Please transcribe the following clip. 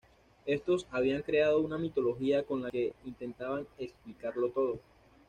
Estos habían creado una mitología con la que intentaban explicarlo todo.